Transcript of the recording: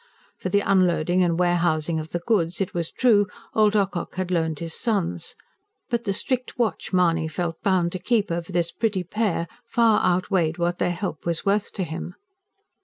For the unloading and warehousing of the goods, it was true, old Ocock had loaned his sons; but the strict watch Mahony felt bound to keep over this pretty pair far outweighed what their help was worth to him.